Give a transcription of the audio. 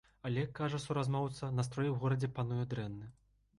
Але, кажа суразмоўца, настрой у горадзе пануе дрэнны.